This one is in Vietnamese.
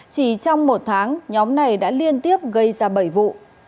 chỉ trong một tháng nhóm này đã liên tiếp gây ra bảy vụ